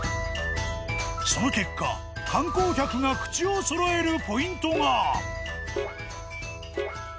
その結果観光客が口をそろえるポイントが。